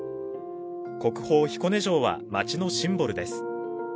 国宝・彦根城は町のシンボルです。